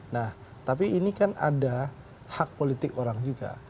nah tapi ini kan ada hak politik orang juga